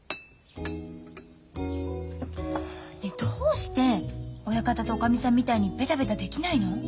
どうして親方とおかみさんみたいにベタベタできないの？